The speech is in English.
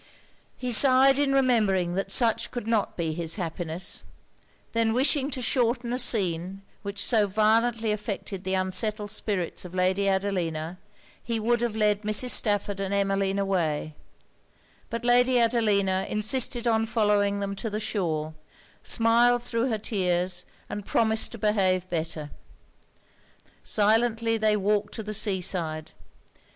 He sighed in remembering that such could not be his happiness; then wishing to shorten a scene which so violently affected the unsettled spirits of Lady Adelina, he would have led Mrs. Stafford and Emmeline away; but Lady Adelina insisted on following them to the shore; smiled thro' her tears; and promised to behave better. Silently they walked to the sea side.